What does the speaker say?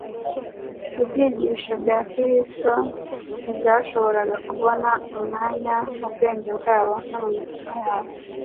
ibyigisho bya Kristo ntibyashoboraga kubona umwanya mu bwenge bwabo no mu mitima yabo.